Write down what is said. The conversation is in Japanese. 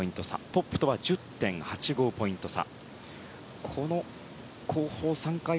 トップとは１０．８５ポイント差。